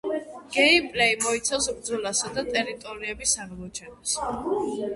გეიმპლეი მოიცავს ბრძოლასა და ტერიტორიების აღმოჩენას.